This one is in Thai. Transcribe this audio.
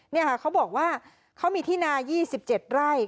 นี่ค่ะเขาบอกว่าเขามีที่นา๒๗ไร่